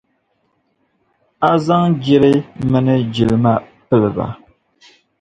A zaŋ jiri mini jilima pili ba.